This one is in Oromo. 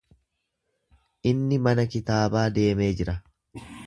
Inni mana kitaabaa deemee jira.